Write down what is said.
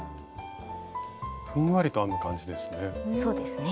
ふんわりと編む感じですね。